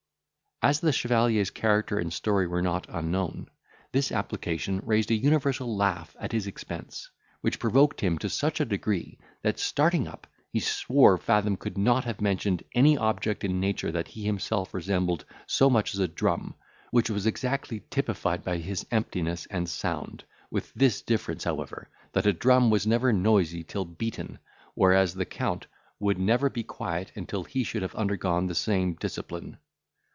As the chevalier's character and story were not unknown, this application raised an universal laugh at his expense, which provoked him to such a degree, that, starting up, he swore Fathom could not have mentioned any object in nature that he himself resembled so much as a drum, which was exactly typified by his emptiness and sound, with this difference, however, that a drum was never noisy till beaten, whereas the Count would never be quiet, until he should have undergone the same discipline.